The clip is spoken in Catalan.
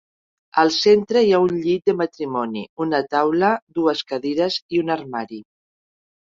Al centre hi ha un llit de matrimoni, una taula, dues cadires i un armari.